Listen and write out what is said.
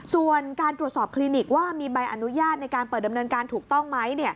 ส่วนการตรวจสอบคลินิกว่ามีใบอนุญาตในการเปิดดำเนินการถูกต้องไหม